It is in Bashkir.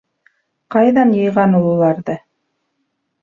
Ҡайҙан йыйған ул уларҙы?